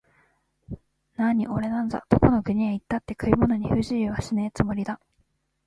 なあにおれなんざ、どこの国へ行ったって食い物に不自由はしねえつもりだ